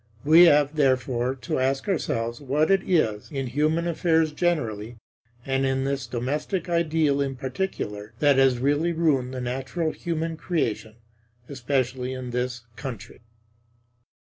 We have, therefore, to ask ourselves what it is in human affairs generally, and in this domestic ideal in particular, that has really ruined the natural human creation, especially in this country.